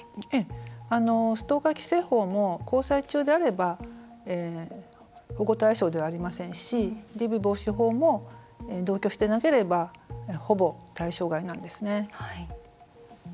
ストーカー規制法も交際中であれば保護対象でないですしＤＶ防止法も同居してなければ保護対象外なんですね。